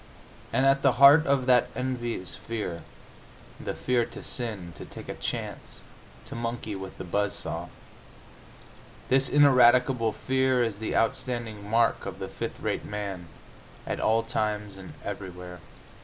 And at the heart of that envy is fear the fear to sin, to take a chance, to monkey with the buzzsaw. This ineradicable fear is the outstanding mark of the fifth rate man, at all times and everywhere.